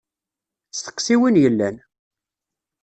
Steqsi win yellan!